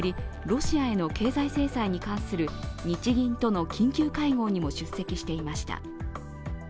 ロシアへの経済制裁に関する日銀との緊急会合にも出席していました。